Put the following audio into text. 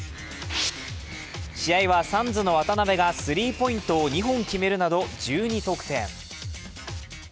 試合はサンズの渡邊がスリーポイントを２本決めるなど１２得点。